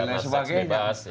penyakit darah seks bebas